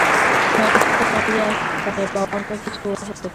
বাড়ি থেকে পালিয়ে আসতে পারে, বা অন্য কিছুও হতে পারে।